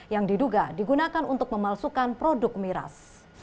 yang diduga digunakan untuk memalsukan produk miras